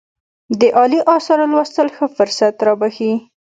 د عالي آثارو لوستل ښه فرصت رابخښي.